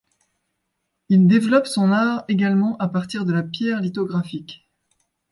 Il développe son art également à partir de la pierre lithographique.